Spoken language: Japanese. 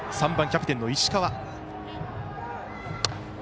３番、キャプテンの石川。